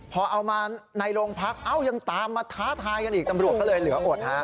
พอเอามาในโรงพักเอ้ายังตามมาท้าทายกันอีกตำรวจก็เลยเหลืออดฮะ